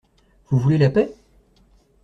Vous voulez la paix?